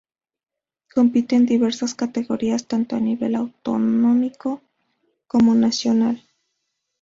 Compite en diversas categorías tanto a nivel autonómico como nacional.